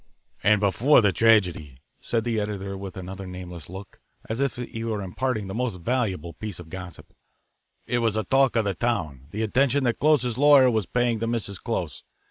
"And before the tragedy," said the editor with another nameless look, as if he were imparting a most valuable piece of gossip, "it was the talk of the town, the attention that Close's lawyer was paying to Mrs. Close.